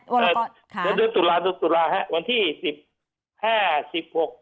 วรกรค่ะวันที่สิบห้าสิบหกสิบเจ็บสุราอืมสิบห้าสิบหก